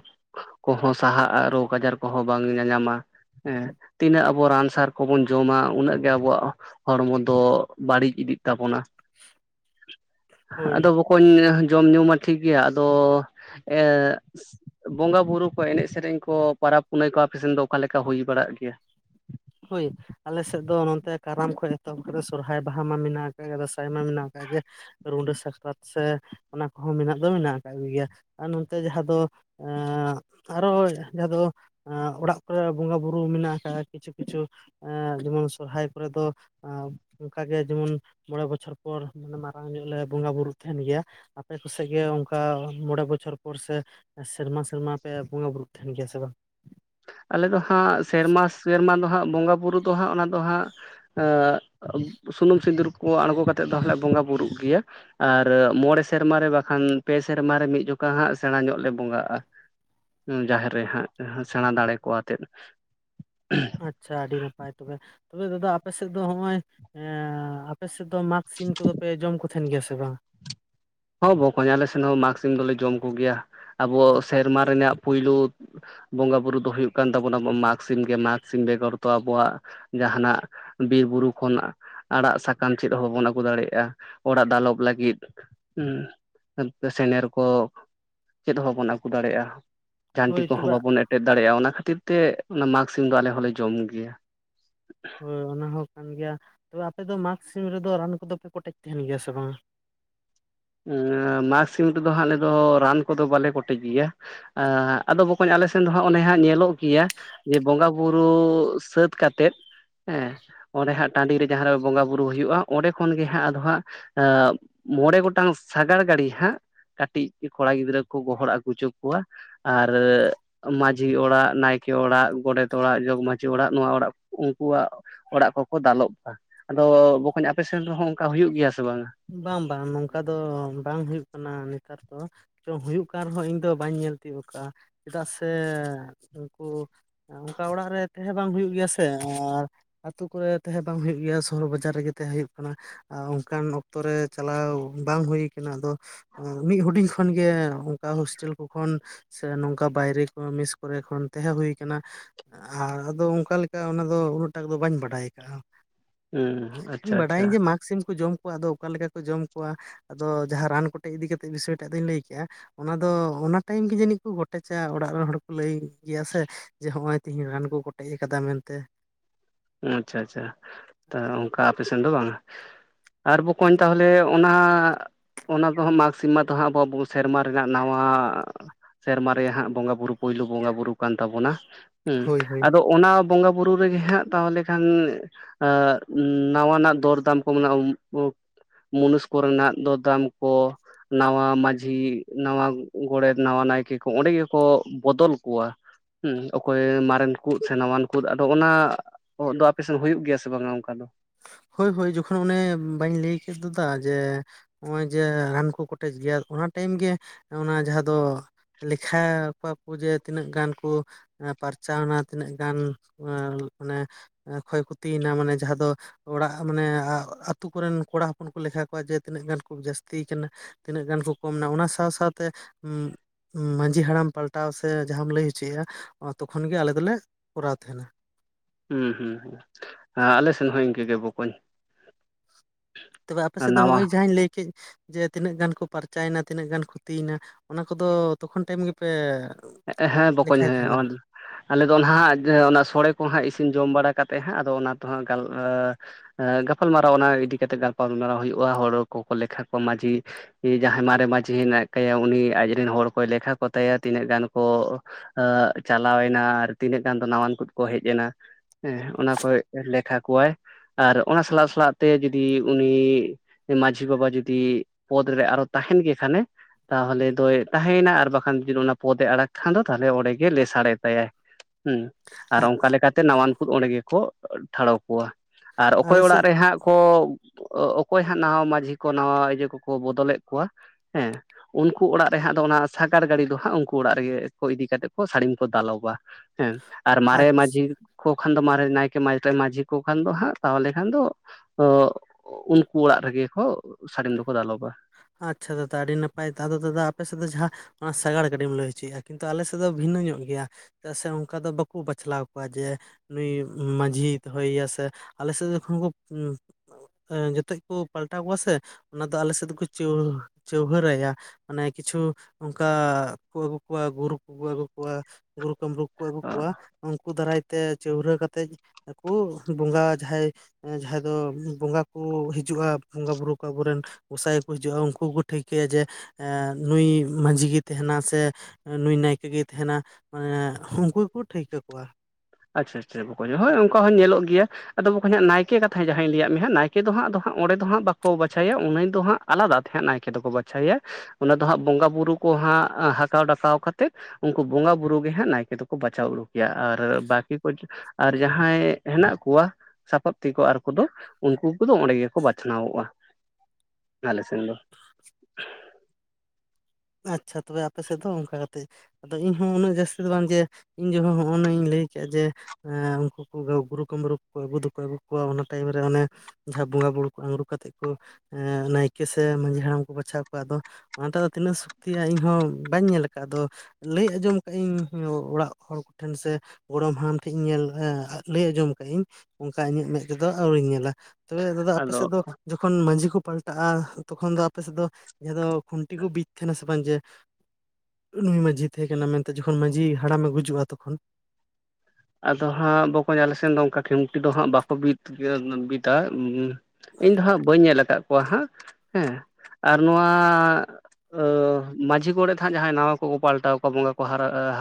ᱠᱚᱦᱚᱸ ᱥᱟᱦᱟᱜᱼᱟ ᱨᱳᱜᱽ ᱟᱡᱟᱨ ᱠᱚᱦᱚᱸ ᱵᱟᱝ ᱧᱟᱧᱟᱢᱟ ᱦᱮᱸ ᱛᱤᱱᱟᱹᱜ ᱟᱵᱚ ᱨᱟᱱ ᱥᱟᱨ ᱠᱚᱵᱚᱱ ᱡᱚᱢᱟ ᱩᱱᱟᱹᱜ ᱜᱮ ᱟᱵᱩᱣᱟᱜ ᱦᱚᱲᱢᱚ ᱫᱚ ᱵᱟᱹᱲᱤᱡ ᱤᱫᱤᱜ ᱛᱟᱵᱚᱱᱟ ᱦᱳᱭ ᱟᱫᱚ ᱵᱚᱠ ᱠᱚᱧ ᱡᱚᱢ ᱧᱩ ᱢᱟ ᱴᱷᱤᱠ ᱜᱮᱭᱟ ᱟᱫᱚ ᱮ ᱵᱚᱸᱜᱟ ᱵᱩᱨᱩ ᱠᱚ ᱮᱱᱮᱡ ᱥᱮᱨᱮᱧ ᱠᱚ ᱯᱟᱨᱟᱵᱽ ᱯᱩᱱᱟᱹᱭ ᱠᱚ ᱟᱯᱮᱥᱮᱱ ᱫᱚ ᱚᱠᱟᱞᱮᱠᱟ ᱦᱩᱭ ᱵᱟᱲᱟᱜ ᱜᱮᱭᱟ? ᱦᱳᱭ ᱟᱞᱮᱥᱮᱫᱽ ᱫᱚ ᱱᱚᱝᱛᱮ ᱠᱟᱨᱟᱢ ᱠᱷᱚᱡ ᱮᱛᱚᱦᱚᱵ ᱠᱟᱫᱮ ᱥᱚᱨᱦᱟᱭ ᱵᱟᱦᱟ ᱢᱟ ᱢᱮᱱᱟᱜ ᱟᱠᱟᱫ ᱜᱮ ᱫᱟᱸᱥᱟᱭ ᱢᱟ ᱢᱮᱱᱟᱜ ᱟᱠᱟᱫ ᱜᱮ ᱨᱩᱰᱟᱹ ᱥᱟᱠᱨᱟᱛ ᱥᱮ ᱚᱱᱟ ᱠᱚᱦᱚᱸ ᱢᱮᱱᱟᱜ ᱫᱚ ᱢᱮᱱᱟᱜ ᱟᱠᱟᱫ ᱜᱮᱭᱟ ᱟᱨ ᱱᱚᱛᱮ ᱡᱟᱦᱟᱸ ᱫᱚ ᱮᱜ ᱟᱨᱚ ᱡᱟᱦᱟᱸ ᱫᱚ ᱮᱜ ᱚᱲᱟᱜ ᱠᱚᱨᱮ ᱵᱚᱸᱜᱟ ᱵᱩᱨᱩ ᱢᱮᱱᱟᱜ ᱟᱠᱟᱜᱟ ᱠᱤᱪᱷᱩ ᱠᱤᱪᱷᱩ ᱮ ᱡᱮᱢᱚᱱ ᱥᱚᱨᱦᱟᱭ ᱠᱚᱨᱮ ᱫᱚ ᱶ ᱚᱱᱠᱟ ᱜᱮ ᱡᱮᱢᱚᱱ ᱢᱚᱬᱮ ᱵᱚᱪᱷᱚᱨ ᱯᱚᱨ ᱢᱟᱱᱮ ᱢᱟᱨᱟᱝ ᱧᱚᱜ ᱞᱮ ᱵᱚᱸᱜᱟ ᱵᱩᱨᱩᱜ ᱛᱟᱦᱮᱱ ᱜᱮᱭᱟ᱾ ᱟᱯᱮ ᱠᱚᱥᱮᱜ ᱜᱮ ᱚᱱᱠᱟ ᱢᱚᱬᱮ ᱵᱚᱪᱷᱚᱨ ᱯᱚᱨ ᱥᱮ ᱥᱮᱨᱢᱟ ᱥᱮᱨᱢᱟ ᱯᱮ ᱵᱚᱸᱜᱟ ᱵᱩᱨᱩᱜ ᱛᱟᱦᱮᱱ ᱜᱮᱭᱟ ᱥᱮ ᱵᱟ? ᱟᱞᱮ ᱫᱚ ᱦᱟᱸᱜ ᱥᱮᱨᱢᱟ ᱥᱮᱨᱢᱟ ᱫᱚ ᱦᱟᱸᱜ ᱵᱚᱸᱜᱟ ᱵᱩᱨᱩ ᱫᱚ ᱦᱟᱸᱜ ᱚᱱᱟ ᱫᱚ ᱦᱟᱸᱜ ᱟᱜ ᱥᱩᱱᱩᱢ ᱥᱤᱸᱫᱩᱨ ᱠᱚ ᱟᱬᱜᱚ ᱠᱟᱛᱮᱫ ᱫᱚ ᱦᱟᱸᱞᱮᱜ ᱵᱚᱸᱜᱟ ᱵᱩᱨᱩᱜ ᱜᱮᱭᱟ ᱟᱨ ᱢᱚᱬᱮ ᱥᱮᱨᱢᱟ ᱨᱮ ᱵᱟᱠᱷᱟᱱ ᱯᱮ ᱥᱮᱨᱢᱟ ᱨᱮ ᱢᱤᱜ ᱡᱚᱠᱷᱟ ᱦᱟᱸᱜ ᱥᱮᱬᱟ ᱧᱚᱜ ᱞᱮ ᱵᱚᱸᱜᱟᱜᱼᱟ᱾ ᱦᱩ ᱡᱟᱦᱮᱨ ᱨᱮ ᱦᱟᱸᱜ ᱥᱮᱬᱟ ᱫᱟᱲᱮ ᱠᱚᱣᱟᱛᱮ ᱟᱪᱪᱷᱟ ᱟᱹᱰᱤ ᱱᱟᱯᱟᱭ ᱛᱚᱵᱮ ᱛᱚᱵᱮ ᱫᱟᱫᱟ ᱟᱯᱮᱥᱮᱫᱽ ᱫᱚ ᱦᱚᱸᱜᱼᱚᱭ ᱮ ᱟᱯ ᱯᱮ ᱥᱮᱫ ᱫᱚ ᱢᱟᱜᱽ ᱥᱤᱢ ᱠᱚᱫᱚ ᱯᱮ ᱡᱚᱢ ᱠᱚ ᱛᱟᱦᱮᱱ ᱜᱮᱭᱟ ᱥᱮ ᱵᱟᱝ? ᱦᱚᱸ ᱵᱚᱠᱚᱧ ᱟᱞᱮ ᱥᱮᱱ ᱦᱚᱸ ᱢᱟᱜᱽ ᱥᱤᱢ ᱫᱚᱞᱮ ᱡᱚᱢ ᱠᱚᱜᱮᱭᱟ᱾ ᱟᱵᱚ ᱥᱮᱨᱢᱟ ᱨᱮᱱᱟᱜ ᱯᱩᱭᱞᱩ ᱵᱚᱸᱜᱟ ᱵᱩᱨᱩ ᱫᱚ ᱦᱩᱭᱩᱜ ᱠᱟᱱ ᱛᱟᱵᱚᱱᱟ ᱵᱚᱢ ᱢᱟᱜᱽ ᱥᱤᱢ ᱜᱮ ᱢᱟᱜᱽ ᱥᱤᱢ ᱵᱮᱜᱚᱨ ᱛᱚ ᱟᱵᱚᱣᱟᱜ ᱡᱟᱦᱟᱸᱱᱟᱜ ᱵᱤᱨ ᱵᱩᱨᱩ ᱠᱷᱚ ᱟᱲᱟᱜ ᱥᱟᱠᱟᱢ ᱪᱮᱫᱽ ᱦᱚᱸ ᱵᱚᱱ ᱟᱹᱜᱩ ᱫᱟᱲᱮᱭᱟᱜᱼᱟ ᱚᱲᱟᱜ ᱫᱟᱞᱚᱵᱽ ᱞᱟᱹᱜᱤᱫ ᱦᱩ ᱥᱮᱱᱮᱨ ᱠᱚ ᱪᱮᱫᱽ ᱦᱚᱸᱵᱚᱱ ᱟᱹᱜᱩ ᱫᱟᱲᱮᱜᱼᱟ ᱡᱷᱟᱱᱴᱤ ᱦᱳᱭ ᱠᱚᱦᱚᱸ ᱛᱚᱵᱮ ᱵᱟᱵᱚᱱ ᱮᱴᱮᱫ ᱫᱟᱲᱮᱭᱟᱜᱼᱟ ᱚᱱᱟ ᱠᱷᱟᱹᱛᱤᱨ ᱛᱮ ᱚᱱᱟ ᱢᱟᱜᱽ ᱥᱤᱢ ᱫᱚ ᱟᱞᱮ ᱦᱚᱸᱞᱮ ᱡᱚᱢ ᱜᱮᱭᱟ ᱦᱳᱭ ᱚᱱᱟ ᱦᱚᱸ ᱠᱟᱱ ᱜᱮᱭᱟ ᱛᱚᱵᱮ ᱟᱯᱮ ᱫᱚ ᱢᱟᱜᱽ ᱥᱤᱢ ᱨᱮᱫᱚ ᱨᱟᱱ ᱠᱚᱫᱚ ᱯᱮ ᱠᱚᱴᱮᱡᱽ ᱛᱟᱦᱮᱱ ᱜᱮᱭᱟ ᱥᱮ ᱵᱟᱝ? ᱩᱸ ᱢᱟᱜᱽ ᱥᱤᱢ ᱨᱮᱫᱚ ᱦᱟᱸᱜ ᱟᱞᱮ ᱫᱚ ᱨᱟᱱ ᱠᱚᱫᱚ ᱵᱟᱞᱮ ᱠᱚᱴᱮᱡ ᱜᱮᱭᱟ᱾ ᱟ ᱟᱫᱚ ᱵᱚᱠᱚᱧ ᱟᱞᱮ ᱥᱮᱱ ᱫᱚ ᱦᱟᱸᱜ ᱚᱱᱮ ᱦᱟᱸᱜ ᱧᱮᱞᱚᱜ ᱜᱮᱭᱟ ᱡᱮ ᱵᱚᱸᱜᱟ ᱵᱩᱨᱩ ᱥᱟᱹᱛ ᱠᱟᱛᱮᱫ ᱦᱮᱸ ᱚᱸᱰᱮ ᱦᱟᱸᱜ ᱴᱟᱸᱰᱤ ᱨᱮ ᱡᱟᱦᱟᱸ ᱨᱮ ᱵᱚᱸᱜᱟ ᱵᱩᱨᱩ ᱦᱩᱭᱩᱜᱼᱟ ᱚᱸᱰᱮ ᱠᱷᱚᱱ ᱜᱮ ᱦᱟᱸᱜ ᱟᱫᱚ ᱦᱟᱸ ᱢᱚᱬᱮ ᱜᱚᱴ ᱴᱟᱝ ᱥᱟᱜᱟᱲ ᱜᱟᱲᱤ ᱦᱟᱸᱜ ᱠᱟᱹᱴᱤᱡ ᱠᱚᱲᱟ ᱜᱤᱫᱽᱨᱟᱹ ᱠᱚ ᱜᱚᱦᱚᱲ ᱟᱹᱜᱩ ᱪᱚ ᱠᱚᱣᱟ ᱟᱨ ᱢᱟᱡᱷᱤ ᱚᱲᱟᱜ ᱱᱟᱭᱠᱮ ᱚᱲᱟᱜ ᱜᱚᱰᱮᱛ ᱚᱲᱟᱜ ᱡᱚᱜᱽᱢᱟᱡᱷᱤ ᱚᱲᱟᱜ ᱱᱚᱣᱟ ᱚᱲᱟᱜ ᱩᱱᱠᱩᱣᱟᱜ ᱚᱲᱟᱜ ᱠᱚᱠᱚ ᱫᱟᱞᱚᱵ ᱠᱟ ᱟᱫᱚ ᱵᱚᱠᱚᱧ ᱟᱯᱮ ᱥᱮᱱ ᱨᱮᱦᱚᱸ ᱚᱱᱠᱟ ᱦᱩᱭᱩᱜ ᱜᱮᱭᱟ ᱥᱮ ᱵᱟᱝᱟ? ᱵᱟᱝ ᱵᱟᱝ ᱱᱚᱝᱠᱟ ᱫᱚ ᱵᱟᱝ ᱦᱩᱭᱩᱜ ᱠᱟᱱᱟ ᱱᱮᱛᱟᱨ ᱫᱚ᱾ ᱪᱚᱝ ᱦᱩᱭᱩᱜ ᱠᱟᱱ ᱨᱮᱦᱚᱸ ᱤᱧ ᱫᱚ ᱵᱟᱹᱧ ᱧᱮᱞ ᱛᱤᱭᱳᱜ ᱠᱟᱜᱼᱟ ᱪᱮᱫᱟᱜ ᱥᱮ ᱩᱱᱠᱩ ᱚᱝᱠᱟ ᱚᱲᱟᱜ ᱨᱮ ᱛᱟᱦᱮᱸ ᱵᱟᱝ ᱦᱩᱭᱩᱜ ᱜᱮᱭᱟ ᱥᱮ ᱟᱨ ᱟᱹᱛᱩ ᱠᱚᱨᱮ ᱛᱟᱦᱮᱸ ᱵᱟᱝ ᱦᱩᱭᱩᱜ ᱜᱮᱭᱟ ᱥᱚᱦᱚᱨ ᱵᱟᱡᱟᱨ ᱨᱮᱜᱮ ᱛᱟᱦᱮᱸ ᱦᱩᱭᱩᱜ ᱠᱟᱱᱟ᱾ ᱟᱸ ᱚᱸᱠᱟᱱ ᱚᱠᱛᱚ ᱨᱮ ᱪᱟᱞᱟᱣ ᱵᱟᱝ ᱦᱩᱭ ᱠᱟᱱᱟ ᱟᱫᱚ ᱟᱸ ᱢᱤᱜ ᱦᱩᱰᱤᱧ ᱠᱷᱚᱱ ᱜᱮ ᱚᱸᱠᱟ ᱦᱳᱥᱴᱮᱞ ᱠᱚ ᱠᱷᱚᱱ ᱥᱮ ᱱᱚᱝᱠᱟ ᱵᱟᱭᱨᱮ ᱠᱚ ᱢᱮᱥ ᱠᱚᱨᱮ ᱠᱷᱚᱱ ᱛᱟᱦᱮᱸ ᱦᱩᱭ ᱠᱟᱱᱟ, ᱟᱻᱨ ᱟᱫᱚ ᱚᱸᱠᱟ ᱞᱮᱠᱟ ᱚᱱᱟ ᱫᱚ ᱩᱱᱟᱹᱜᱽ ᱴᱟᱜ ᱫᱚ ᱵᱟᱧ ᱵᱟᱰᱟᱭ ᱟᱠᱟᱜ-ᱟ᱾ ᱦᱩᱸ ᱤᱧ ᱟᱪᱪᱷᱟ ᱟᱪᱪᱷᱟ ᱵᱟᱰᱟᱭᱟᱹᱧ ᱡᱮ ᱢᱟᱜᱽ ᱥᱤᱢ ᱠᱚ ᱡᱚᱢ ᱠᱚᱣᱟ, ᱟᱫᱚ ᱚᱠᱟ ᱞᱮᱠᱟ ᱠᱚ ᱡᱚᱢ ᱠᱚᱣᱟ ᱟᱫᱚ ᱡᱟᱦᱟᱸ ᱨᱟᱱ ᱠᱚᱴᱮᱡ ᱤᱫᱤ ᱠᱟᱛᱮᱜ ᱵᱤᱥᱚᱭ ᱴᱟᱜ ᱫᱩᱧ ᱞᱟᱹᱭ ᱠᱮᱜᱼᱟ ᱚᱱᱟ ᱫᱚ ᱚᱱᱟ ᱴᱟᱹᱭᱤᱢ ᱜᱮ ᱡᱟᱹᱱᱤᱡ ᱠᱚ ᱜᱚᱴᱮᱪᱟ ᱚᱲᱟᱜ ᱨᱮᱱ ᱦᱚᱲ ᱠᱚ ᱞᱟᱹᱭ ᱜᱮᱭᱟ ᱥᱮ᱾ ᱡᱮ ᱦᱚᱸᱜᱼᱚᱭ ᱛᱮᱦᱤᱧ ᱨᱟᱱ ᱠᱚ ᱠᱚᱴᱮᱡ ᱟᱠᱟᱫᱟ ᱢᱮᱱᱛᱮ? ᱟᱸ ᱟᱪᱪᱷᱟ ᱟᱪᱪᱷᱟ, ᱛᱟ ᱚᱸᱠᱟ ᱟᱯᱮᱥᱮᱱ ᱫᱚ ᱵᱟᱝᱼᱟ᱾ ᱟᱨ ᱵᱚᱠᱚᱧ ᱛᱟᱦᱚᱞᱮ ᱚᱱᱟ ᱚᱱᱟ ᱫᱚᱦᱚᱸ ᱢᱟᱜᱽ ᱥᱤᱢᱟᱹ ᱫᱚ ᱦᱟᱸᱜ ᱟ ᱵᱩ ᱥᱮᱨᱢᱟ ᱨᱮᱱᱟᱜ ᱱᱟᱶᱟ ᱥᱮᱨᱢᱟ ᱨᱮᱭᱟᱜ ᱦᱟᱸᱜ ᱵᱚᱸᱜᱟ ᱵᱩᱨᱩ ᱯᱩᱭᱞᱩ ᱵᱚᱸᱜᱟ ᱵᱩᱨᱩ ᱠᱟᱱ ᱛᱟᱵᱚᱱᱟ᱾ ᱦᱩᱸ, ᱦᱳᱭ ᱦᱳᱭ ᱟᱫᱚ ᱚᱱᱟ ᱵᱚᱸᱜᱟ ᱵᱩᱨᱩ ᱨᱮᱜᱮ ᱦᱟᱸᱜ ᱛᱟᱦᱚᱞᱮ ᱠᱷᱟᱱ ᱟᱸ ᱱᱟᱣᱟᱱᱟᱜ ᱫᱚᱨᱫᱟᱢ ᱢᱮᱱᱟᱜᱼᱟ, ᱳᱢ ᱳᱵ ᱢᱩᱱᱩᱥ ᱠᱚᱨᱮᱱᱟᱜ ᱫᱚ ᱫᱟᱢ ᱠᱚ ᱱᱟᱶᱟ ᱢᱟᱺᱡᱷᱤ, ᱱᱟᱶᱟ ᱜᱚᱲᱮᱛ, ᱱᱟᱶᱟ ᱱᱟᱭᱠᱮ ᱠᱚ ᱚᱸᱰᱮ ᱜᱮᱠᱚ ᱵᱚᱫᱚᱞ ᱠᱚᱣᱟ᱾ ᱦᱩᱸ, ᱚᱠᱚᱭ ᱢᱟᱨᱮᱱ ᱠᱩᱜ ᱥᱮ ᱱᱟᱣᱟᱱ ᱠᱩᱫ, ᱟᱫᱚ ᱚᱱᱟ ᱠᱚᱜ ᱫᱚ ᱟᱯᱮᱥᱮᱱ ᱦᱩᱭᱩᱜ ᱜᱮᱭᱟ ᱥᱮ ᱵᱟᱝᱼᱟ ᱚᱝᱠᱟ ᱫᱚ? ᱦᱳᱭ ᱦᱳᱭ ᱡᱚᱠᱷᱚᱱ ᱚᱱᱮ ᱵᱟᱹᱧ ᱞᱟᱹᱭ ᱠᱮᱫ ᱫᱚ ᱫᱟ ᱡᱮ ᱱᱚᱜᱼᱚᱭ ᱡᱮ ᱨᱟᱱ ᱠᱚ ᱠᱚᱴᱮᱡ ᱜᱮᱭᱟ, ᱚᱱᱟ ᱴᱟᱹᱭᱤᱢ ᱜᱮ ᱚᱱᱟ ᱡᱟᱦᱟᱸ ᱫᱚ ᱞᱮᱠᱷᱟᱭᱟ ᱠᱚᱣᱟ ᱯᱩᱡᱟᱹᱛ ᱛᱤᱱᱟᱹᱜ ᱜᱟᱱ ᱠᱚ ᱮᱸ ᱯᱟᱨᱪᱟᱣᱮᱱᱟ ᱛᱤᱱᱟᱹᱜ ᱜᱟᱱ ᱮᱸ ᱚᱱᱮ ᱮᱸ ᱠᱷᱚᱭ ᱠᱷᱩᱛᱤᱭᱮᱱᱟ ᱢᱟᱱᱮ ᱡᱟᱦᱟ ᱫᱚ ᱚᱲᱟᱜ ᱢᱟᱱᱮ ᱟᱹ ᱟᱹᱛᱩ ᱠᱚᱨᱮᱱ ᱠᱚᱲᱟ ᱦᱚᱯᱚᱱ ᱠᱚ ᱞᱮᱠᱷᱟ ᱠᱚᱣᱟ ᱡᱮ ᱛᱤᱱᱟᱹᱜ ᱜᱟᱱ ᱠᱩ ᱡᱟᱹᱥᱛᱤ ᱭᱟᱠᱟᱱᱟ ᱛᱤᱱᱟᱹᱜ ᱜᱟᱱ ᱠᱚ ᱠᱚᱢ ᱮᱱᱟ, ᱚᱱᱟ ᱥᱟᱶ ᱥᱟᱶᱛᱮ ᱩᱸ ᱢᱟᱺᱡᱷᱤ ᱦᱟᱲᱟᱢ ᱯᱟᱞᱴᱟᱣ ᱥᱮ ᱡᱟᱦᱟᱸᱢ ᱞᱟᱹᱭ ᱦᱚᱪᱚ ᱭᱮᱜᱼᱟ, ᱚᱱᱟ ᱛᱚᱠᱷᱚᱱ ᱜᱮ ᱟᱞᱮ ᱫᱚᱞᱮ ᱠᱚᱨᱟᱣ ᱛᱟᱦᱮᱱᱟ᱾ ᱦᱩᱸ ᱦᱩᱸ ᱦᱩᱸ, ᱟ ᱟᱞᱮ ᱥᱮᱱ ᱦᱚᱸ ᱤᱸᱠᱟᱹ ᱜᱮ ᱵᱚᱠᱚᱧ᱾ ᱛᱚᱵᱮ ᱟᱯᱮ ᱥᱮᱫ ᱫᱚ ᱱᱟᱣᱟ ᱦᱚᱸᱜᱼᱚᱭ ᱡᱟᱦᱟᱸᱧ ᱞᱟᱹᱭ ᱠᱮᱡ ᱡᱮ ᱛᱤᱱᱟᱹᱜ ᱜᱟᱱ ᱠᱚ ᱯᱟᱨᱪᱟᱭᱮᱱᱟ ᱛᱤᱱᱟᱹᱜ ᱜᱟᱱ ᱠᱚ ᱠᱷᱩᱛᱤᱭᱮᱱᱟ ᱚᱱᱟ ᱠᱚᱫᱚ ᱛᱚᱠᱷᱚᱱ ᱴᱟᱹᱭᱤᱢ ᱜᱮᱯᱮ ᱮᱸᱜ ᱦᱮᱸ ᱵᱚᱠᱚᱧ ᱞᱮᱠᱷᱟᱭ ᱦᱮᱸ ᱛᱟᱦᱮᱱᱟ ᱚᱱᱟ ᱫᱩ ᱟᱞᱮ ᱫᱚ ᱱᱷᱟᱸᱜ ᱡᱮ ᱚᱱᱟ ᱥᱚᱲᱮ ᱠᱚ ᱦᱟᱸᱜ ᱤᱥᱤᱱ ᱡᱚᱢ ᱵᱟᱲᱟ ᱠᱟᱛᱮᱜ ᱦᱟᱸᱜ ᱟᱫᱚ ᱚᱱᱟ ᱫᱚ ᱦᱟᱸᱜ ᱜᱟᱞ ᱮᱸ ᱮᱸ ᱜᱟᱯᱟᱞ ᱢᱟᱨᱟᱣ ᱚᱱᱟ ᱤᱫᱤ ᱠᱟᱛᱮ ᱜᱟᱯᱟᱞᱢᱟᱨᱟᱣ ᱦᱩᱭᱩᱜᱼᱟ ᱦᱚᱲ ᱠᱚᱠᱚ ᱞᱮᱠᱷᱟ ᱠᱚᱣᱟ ᱢᱟᱺᱡᱷᱤ ᱠᱤ ᱡᱟᱦᱟᱸᱭ ᱢᱟᱨᱮ ᱢᱟᱺᱡᱷᱤ ᱱᱟᱭᱠᱟᱹᱭᱟ ᱩᱱᱤ ᱟᱡ ᱨᱤᱱ ᱦᱚᱲ ᱠᱚᱭ ᱞᱮᱠᱷᱟ ᱠᱚ ᱛᱟᱭᱟ ᱛᱤᱱᱟᱹᱜ ᱜᱟᱱ ᱠᱚᱻᱜ ᱟᱸ ᱪᱟᱞᱟᱣᱮᱱᱟ ᱟᱨ ᱛᱤᱱᱟᱹᱜ ᱜᱟᱱ ᱫᱚ ᱱᱟᱣᱟᱱ ᱠᱩᱫ ᱠᱚ ᱦᱮᱡ ᱮᱱᱟ, ᱮᱸᱦ ᱚᱱᱟ ᱠᱚᱭᱼᱮᱜ ᱞᱮᱠᱷᱟ ᱠᱚᱣᱟᱭ ᱟᱨ ᱚᱱᱟ ᱥᱟᱞᱟᱜ ᱥᱟᱞᱟᱜ ᱛᱮ ᱡᱩᱫᱤ ᱩᱱᱤ ᱮᱸ ᱢᱟᱺᱡᱷᱤ ᱵᱟᱵᱟ ᱡᱩᱫᱤ ᱯᱚᱫᱽ ᱨᱮ ᱟᱨᱦᱚ ᱛᱟᱦᱮᱱ ᱜᱮ ᱠᱷᱟᱱ ᱮ ᱛᱟᱦᱚᱞᱮ ᱫᱚᱭ ᱛᱟᱦᱮᱸᱭᱮᱱᱟ ᱟᱨ ᱵᱟᱠᱷᱟᱱ ᱡᱩᱫᱤ ᱚᱱᱟ ᱯᱚᱫᱽ ᱮ ᱟᱲᱟᱜᱽ ᱠᱷᱟᱱ ᱫᱚ ᱛᱟᱦᱮᱞᱮ ᱚᱸᱲᱮ ᱜᱮ ᱞᱟᱹᱭ ᱥᱟᱲᱮ ᱛᱟᱭᱟᱭ, ᱦᱩᱸ, ᱟᱨ ᱚᱝᱠᱟ ᱞᱮᱠᱟ ᱛᱮ ᱱᱟᱶᱟᱱ ᱠᱩᱜ ᱚᱸᱰᱮ ᱜᱮᱠᱚᱻᱜ ᱴᱷᱟᱲᱚ ᱠᱚᱣᱟ ᱟᱨ ᱚᱠᱚᱭ ᱟᱞᱮ ᱥᱮᱫ ᱚᱲᱟᱜ ᱨᱮ ᱦᱟᱸᱜ ᱠᱚ ᱚ ᱚᱠᱚᱭ ᱦᱟᱸᱜ ᱱᱟᱣᱟ ᱢᱟᱺᱡᱷᱤ ᱠᱚ ᱱᱟᱣᱟ ᱤᱭᱟᱹ ᱠᱚᱠᱚ ᱵᱚᱫᱚᱞᱮᱜ ᱠᱚᱣᱟ ᱦᱮᱸ ᱩᱱᱠᱩ ᱚᱲᱟᱜ ᱨᱮ ᱦᱟᱸᱜ ᱫᱚ ᱚᱱᱟ ᱥᱟᱜᱟᱲ ᱜᱟᱹᱰᱤ ᱫᱚ ᱦᱟᱸᱜ ᱩᱝᱠᱩ ᱚᱲᱟᱜ ᱨᱮᱜᱮ ᱠᱚ ᱤᱫᱤ ᱠᱟᱛᱮᱫ ᱠᱚ ᱥᱟᱹᱲᱤᱢ ᱠᱚ ᱫᱟᱞᱚᱵᱟ ᱦᱮᱸ ᱟᱨ ᱢᱟᱨᱮ ᱟᱪᱪᱷᱟ ᱢᱟᱺᱡᱷᱤ ᱠᱷᱚ ᱠᱷᱟᱱ ᱫᱚ ᱢᱟᱨᱮ ᱱᱟᱭᱠᱮ ᱢᱟᱡᱽ ᱴᱷᱮᱱ ᱢᱟᱺᱡᱷᱤ ᱠᱷᱚ ᱠᱷᱟᱱ ᱫᱚ ᱦᱟᱸᱜ ᱛᱟᱦᱚᱞᱮ ᱠᱷᱟᱱ ᱫᱚᱜ, ᱚᱻᱜ ᱩ ᱩᱱᱠᱩ ᱚᱲᱟᱜ ᱨᱮᱜᱮ ᱠᱚᱻᱜ ᱥᱟᱹᱲᱤᱢ ᱫᱚᱠᱚ ᱫᱟᱞᱚᱵᱟ᱾ ᱟᱪᱪᱷᱟ ᱫᱟᱫᱟ ᱟᱹᱰᱤ ᱱᱟᱯᱟᱭ᱾ ᱟᱫᱚ ᱫᱟᱫᱟ ᱟᱯᱮ ᱥᱮᱫ ᱫᱚ ᱡᱟᱦᱟᱸ ᱚᱱᱟ ᱥᱟᱜᱟᱲ ᱜᱟᱹᱰᱤᱢ ᱞᱟᱹᱭ ᱦᱚᱪᱚᱭᱮᱫ-ᱟ, ᱠᱤᱱᱛᱩ ᱟᱞᱮ ᱥᱮᱫ ᱫᱚ ᱵᱷᱤᱱᱟᱹ ᱧᱚᱜ ᱜᱮᱭᱟ᱾ ᱪᱮᱫᱟᱜ ᱥᱮ ᱚᱱᱠᱟ ᱫᱚ ᱵᱟᱠᱚ ᱵᱟᱪᱞᱟᱣ ᱠᱚᱣᱟ ᱡᱮ ᱱᱩᱭ ᱢᱟᱺᱡᱷᱤᱭ ᱫᱚᱦᱚᱭᱮᱭᱟ ᱥᱮ ᱟᱞᱮ ᱥᱮᱫ ᱡᱚᱠᱷᱚᱱ ᱠᱚ ᱮ ᱡᱚᱛᱚ ᱠᱚ ᱯᱟᱞᱴᱟᱣ ᱠᱚᱣᱟ ᱥᱮ ᱚᱱᱟ ᱫᱚ ᱟᱞᱮ ᱥᱮᱫ ᱫᱚᱠᱚ ᱪᱟᱹᱣ ᱪᱟᱹᱣᱦᱟᱹᱨ ᱟᱭᱟ᱾ ᱚᱱᱮ ᱠᱤᱪᱷᱩ ᱚᱱᱠᱟ ᱠᱚ ᱟᱹᱜᱩ ᱠᱚᱣᱟ ᱜᱩᱨᱩ ᱠᱚᱠᱚ ᱟᱹᱜᱩ ᱠᱚᱣᱟ, ᱜᱩᱨᱩ ᱠᱟᱢᱨᱩ ᱠᱚ ᱟᱹᱜᱩ ᱠᱚᱣᱟ ᱩᱱᱠᱩ ᱫᱟᱨᱟᱭ ᱛᱮ ᱪᱟᱹᱣᱨᱟᱹ ᱠᱟᱛᱮᱜ ᱟᱠᱩ ᱵᱚᱸᱜᱟ ᱡᱟᱸᱦᱟᱭ ᱮᱸ ᱡᱟᱸᱦᱟᱭ ᱫᱚ ᱵᱚᱸᱜᱟ ᱠᱚ ᱦᱤᱡᱩᱜ-ᱟ, ᱵᱚᱸᱜᱟ ᱵᱩᱨᱩ ᱠᱚ ᱟᱵᱚᱨᱮᱱ ᱜᱚᱸᱥᱟᱭ ᱠᱩ ᱦᱤᱡᱩᱜ-ᱟ᱾ ᱩᱱᱠᱩ ᱠᱚ ᱴᱷᱟᱹᱠᱟᱹᱠᱟᱹᱭᱟ ᱡᱮ ᱮᱸ ᱱᱩᱭ ᱢᱟᱺᱡᱷᱤ ᱜᱮ ᱛᱟᱸᱦᱮᱱᱟ ᱥᱮ ᱱᱩᱭ ᱱᱟᱭᱠᱮ ᱜᱮᱭ ᱛᱟᱦᱮᱱᱟ ᱢᱟᱱᱮ ᱮᱸᱜ ᱩᱱᱠᱩ ᱜᱮᱠᱚ ᱴᱷᱟᱹᱭᱠᱟᱹ ᱠᱚᱣᱟ᱾ ᱟᱪᱪᱷᱟ ᱟᱪᱪᱷᱟ ᱵᱚᱠᱚᱧ ᱦᱳᱭ ᱚᱱᱠᱟ ᱦᱚᱸ ᱧᱮᱞᱚᱜ ᱜᱮᱭᱟ᱾ ᱟᱫᱚ ᱵᱚᱠᱚᱧ ᱦᱟᱸᱜ ᱱᱟᱭᱠᱮ ᱠᱟᱛᱷᱟ ᱡᱟᱸᱦᱟᱹᱧ ᱞᱟᱹᱭᱟᱜ ᱢᱮᱭᱟ ᱦᱟᱸᱜ ᱱᱟᱭᱠᱮ ᱫᱚ ᱦᱟᱸᱜ ᱟᱫᱚ ᱦᱟᱸᱜ ᱚᱸᱰᱮ ᱫᱚ ᱦᱟᱸᱜ ᱵᱟᱠᱚ ᱵᱟᱪᱷᱟᱭᱮᱭᱟ ᱩᱱᱤ ᱫᱚ ᱦᱟᱸᱜ ᱟᱞᱟᱫᱟ ᱛᱮ ᱦᱟᱸᱜ ᱱᱟᱭᱠᱮ ᱫᱚᱠᱚ ᱵᱟᱪᱷᱟᱣᱮᱭᱟ, ᱚᱱᱟ ᱫᱚ ᱦᱟᱸᱜ ᱵᱚᱸᱜᱟ ᱵᱩᱨᱩ ᱠᱚ ᱦᱟᱸᱜ ᱦᱟᱠᱟᱣ ᱰᱟᱠᱟᱣ ᱠᱟᱛᱮᱫ ᱩᱱᱠᱩ ᱵᱚᱸᱜᱟ ᱵᱩᱨᱩ ᱜᱮ ᱦᱟᱸᱜ ᱱᱟᱭᱠᱮ ᱫᱚᱠᱚ ᱵᱟᱧᱪᱷᱟᱣ ᱩᱰᱩᱠᱮᱭᱟ ᱟᱨ ᱵᱟᱠ ᱠᱤ ᱠᱚᱡ ᱟᱨ ᱡᱟᱦᱟᱸᱭ ᱦᱮᱱᱟᱜ ᱠᱚᱣᱟ ᱥᱟᱯᱟᱵ ᱛᱤᱠᱚ ᱟᱨ ᱠᱚᱫᱚ ᱩᱱᱠᱩ ᱠᱚᱫᱚ ᱚᱸᱰᱮ ᱜᱮᱠᱚ ᱵᱟᱪᱷᱱᱟᱣᱚᱜ-ᱟ, ᱟᱞᱮ ᱥᱮᱱ ᱫᱚ᱾ [inaudible] ᱟᱪᱪᱷᱟ ᱛᱚᱵᱮ ᱟᱯᱮᱥᱮᱫ ᱫᱚ ᱚᱱᱠᱟ ᱠᱟᱛᱮᱜ᱾ ᱟᱫᱚ ᱤᱧ ᱦᱚᱸ ᱩᱱᱟᱹᱜ ᱡᱟᱹᱥᱛᱤ ᱫᱚ ᱵᱟᱝ ᱡᱮ ᱤᱧ ᱡᱚᱦᱚ ᱦᱚᱜ-ᱚᱱᱟᱧ ᱞᱟᱹᱭ ᱠᱮᱜ-ᱟ ᱡᱮ ᱮᱸ ᱩᱱᱠᱩ ᱠᱚ ᱜᱩᱨᱩ ᱠᱟᱢᱨᱩ ᱠᱚᱠᱚ ᱟᱹᱜᱩ ᱫᱚᱠᱚ ᱟᱹᱜᱩ ᱠᱚᱣᱟ ᱚᱱᱟ ᱴᱟᱭᱤᱢ ᱨᱮ ᱚᱱᱮ ᱡᱟᱸᱦᱟ ᱵᱚᱸᱜᱟ ᱵᱩᱨᱩ ᱠᱚ ᱟᱝᱨᱩ ᱠᱟᱛᱮᱫ ᱠᱚ ᱮᱸ ᱱᱟᱭᱠᱮ ᱥᱮ ᱢᱟᱺᱡᱷᱤ ᱦᱟᱲᱟᱢ ᱠᱚ ᱵᱟᱪᱷᱟᱣ ᱠᱚᱣᱟ ᱟᱫᱚ ᱚᱱᱟᱴᱟᱜ ᱫᱚ ᱛᱤᱱᱟᱹᱥ ᱛᱮᱭᱟ ᱤᱧᱦᱚᱸ ᱵᱟᱹᱧ ᱧᱮᱞ ᱟᱠᱟᱫ ᱟᱫᱚ ᱞᱟᱹᱭ ᱟᱸᱡᱚᱢ ᱟᱠᱟᱫᱟᱹᱧ ᱚᱲᱟᱜ ᱦᱚᱲ ᱠᱚᱴᱷᱮᱱ ᱥᱮ ᱜᱚᱲᱚᱢ ᱦᱟᱲᱟᱢ ᱴᱷᱮᱱ ᱤᱧ ᱧᱮᱞ ᱟ ᱞᱟᱹᱭ ᱟᱸᱡᱚᱢ ᱠᱟᱜ ᱤᱧ ᱚᱱᱠᱟ ᱤᱧᱟᱹᱜ ᱢᱮᱫ ᱛᱮᱫᱚ ᱟᱹᱣᱨᱤᱧ ᱧᱮᱞᱟ᱾ ᱛᱚᱵᱮ ᱫᱟᱫᱟ ᱟᱯᱮ ᱥᱮᱫ ᱟᱫᱚ ᱫᱚ ᱡᱚᱠᱷᱚᱱ ᱢᱟᱡᱷᱤ ᱠᱚ ᱯᱟᱞᱴᱟᱜ-ᱟ᱾ ᱛᱚᱠᱷᱚᱱ ᱫᱚ ᱟᱯᱮ ᱥᱮᱫ ᱫᱚ ᱡᱟᱸᱦᱟ ᱫᱚ ᱠᱷᱩᱱᱴᱤ ᱠᱚ ᱵᱤᱫ ᱛᱟᱦᱮᱱᱟ ᱥᱮ ᱵᱟᱝ ᱡᱮ ᱱᱩᱭ ᱢᱟᱡᱷᱤ ᱛᱟᱸᱦᱮ ᱠᱟᱱᱟ ᱢᱮᱱᱛᱮ ᱡᱚᱠᱷᱚᱱ ᱢᱟᱡᱷᱤ ᱦᱟᱲᱟᱢᱮ ᱜᱩᱡᱩᱜ-ᱟ ᱛᱚᱠᱷᱚᱱ ᱟᱫᱚ ᱦᱟᱸᱜ ᱵᱚᱠᱚᱧ ᱟᱞᱮᱥᱮᱱ ᱫᱚ ᱚᱱᱠᱟ ᱠᱷᱮᱢᱴᱤ ᱫᱚ ᱦᱟᱸᱜ ᱵᱟᱠᱚ ᱵᱤᱫ ᱜᱮᱭᱟ ᱵᱤᱫᱟ᱾ ᱤᱧ ᱫᱚ ᱦᱟᱸᱜ ᱵᱟᱹᱧ ᱧᱮᱞ ᱟᱠᱟᱫ ᱠᱚᱣᱟ ᱦᱟᱸᱜ ᱦᱮᱸ ᱟᱨ ᱱᱚᱣᱟ ᱚ ᱢᱟᱡᱷᱤ ᱜᱚᱰᱮᱛ ᱦᱟᱸᱜ ᱡᱟᱸᱦᱟᱭ ᱱᱟᱣᱟ ᱠᱚᱠᱚ ᱯᱟᱞᱴᱟᱣ ᱠᱚᱣᱟ, ᱵᱚᱸᱜᱟ ᱠᱚ ᱦᱟᱨᱟᱜ-ᱟ ᱦᱟᱜ